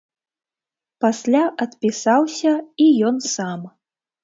Пасля адпісаўся і ён сам.